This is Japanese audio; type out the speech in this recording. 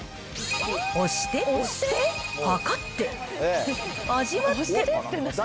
押して、量って、味わって。